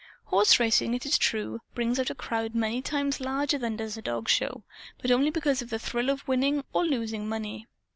Horse racing, it is true, brings out a crowd many times larger than does a dogshow. But only because of the thrill of winning or losing money.